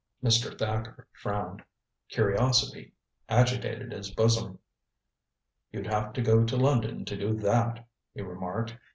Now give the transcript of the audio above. Mr. Thacker frowned. Curiosity agitated his bosom. "You'd have to go to London to do that," he remarked.